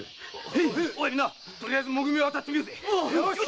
みんなとりあえずも組を当たってみようぜ。